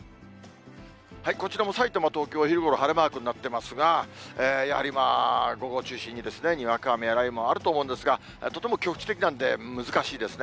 こちらもさいたま、東京は昼ごろ、晴れマークになってますが、やはりまあ、午後を中心に、にわか雨や雷雨もあると思うんですが、とても局地的なんで、難しいですね。